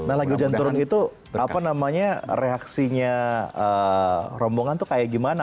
nah lagi hujan turun itu apa namanya reaksinya rombongan tuh kayak gimana